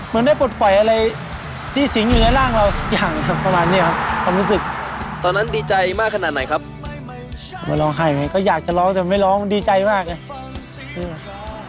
มันได้ปลดไฟอะไรบางอย่างเพราะเป็นวันเกิดด้วย